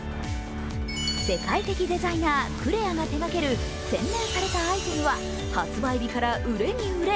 世界的デザイナー・クレアが手がける洗練されたアイテムは発売日から売れに売れ